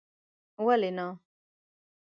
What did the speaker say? ولي نه